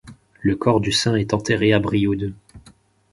Le corps du Saint est enterré à Brioude.